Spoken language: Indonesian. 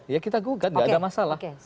ya kita gugat gak ada masalah